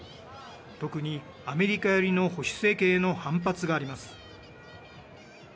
特にアメリカ寄りの保守政権への反発があります。